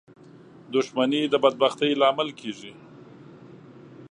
• دښمني د بدبختۍ لامل کېږي.